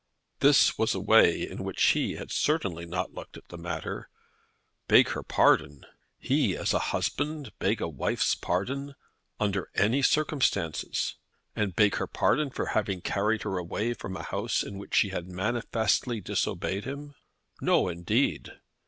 This was a way in which he had certainly not looked at the matter. Beg her pardon! He, as a husband, beg a wife's pardon under any circumstances! And beg her pardon for having carried her away from a house in which she had manifestly disobeyed him. No, indeed.